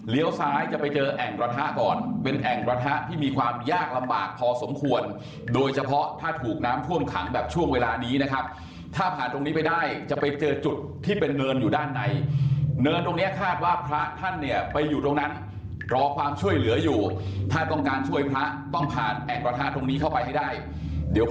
ซ้ายจะไปเจอแอ่งกระทะก่อนเป็นแอ่งกระทะที่มีความยากลำบากพอสมควรโดยเฉพาะถ้าถูกน้ำท่วมขังแบบช่วงเวลานี้นะครับถ้าผ่านตรงนี้ไปได้จะไปเจอจุดที่เป็นเนินอยู่ด้านในเนินตรงเนี้ยคาดว่าพระท่านเนี่ยไปอยู่ตรงนั้นรอความช่วยเหลืออยู่ถ้าต้องการช่วยพระต้องผ่านแอ่งกระทะตรงนี้เข้าไปให้ได้เดี๋ยวค